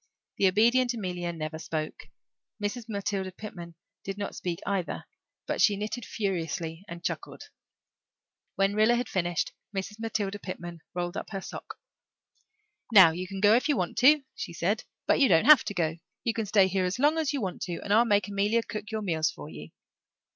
The obedient Amelia never spoke; Mrs. Matilda Pitman did not speak either; but she knitted furiously and chuckled. When Rilla had finished, Mrs. Matilda Pitman rolled up her sock. "Now you can go if you want to," she said, "but you don't have to go. You can stay here as long as you want to and I'll make Amelia cook your meals for you."